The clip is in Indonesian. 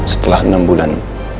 setelah enam bulan